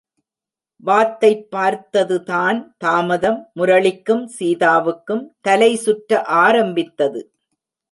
வாத்தைப் பார்த்ததுதான் தாமதம் முரளிக்கும் சீதாவுக்கும் தலை சுற்ற ஆரம்பித்தது!